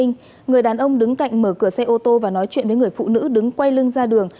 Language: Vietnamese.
người đàn ông đứng cạnh mở cửa xe ô tô và nói chuyện với người phụ nữ đứng quay lưng ra đường